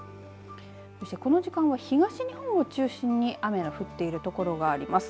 そしてこの時間は東日本を中心に雨の降っているところがあります。